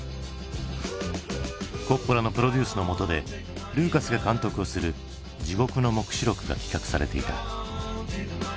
コッポラのプロデュースのもとでルーカスが監督をする「地獄の黙示録」が企画されていた。